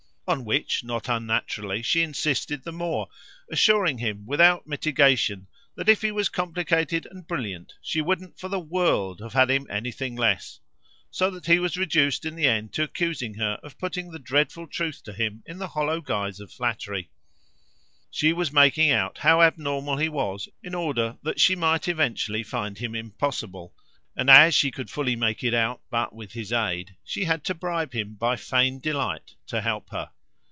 On which, not unnaturally, she insisted the more, assuring him, without mitigation, that if he was various and complicated, complicated by wit and taste, she wouldn't for the world have had him more helpless; so that he was driven in the end to accuse her of putting the dreadful truth to him in the hollow guise of flattery. She was making him out as all abnormal in order that she might eventually find him impossible, and since she could make it out but with his aid she had to bribe him by feigned delight to help her.